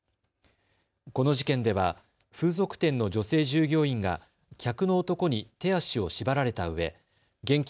この事件では風俗店の女性従業員が客の男に手足を縛られたうえ現金